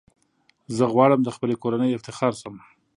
زه غواړم د خپلي کورنۍ افتخار شم .